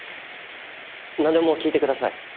なんでも聞いてください。